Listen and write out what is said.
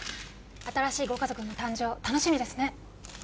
新しいご家族の誕生楽しみですね